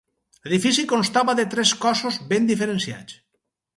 L'edifici constava de tres cossos ben diferenciats.